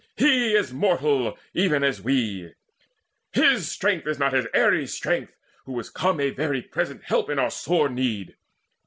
He is mortal even as we; His strength is not as Ares' strength, who is come A very present help in our sore need.